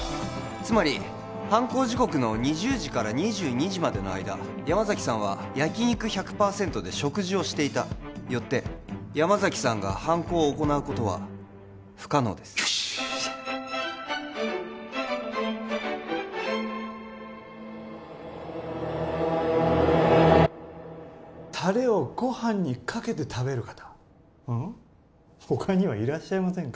つまり犯行時刻の２０時から２２時までの間山崎さんは焼肉１００％で食事をしていたよって山崎さんが犯行を行うことは不可能ですよしっタレをご飯にかけて食べる方他にはいらっしゃいませんか？